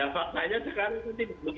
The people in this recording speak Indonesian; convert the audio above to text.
faktanya sekarang ini begitu juga